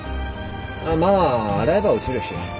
まあ洗えば落ちるし。